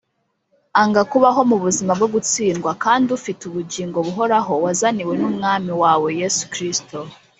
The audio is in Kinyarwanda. Anga kubaho mu buzima bwo gutsindwa kandi ufite ubugingo buhoraho wazaniwe n’Umwami wawe Yesu Kristo